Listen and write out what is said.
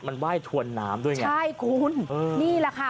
มันไหว้ถวนน้ำด้วยไงใช่คุณนี่แหละค่ะ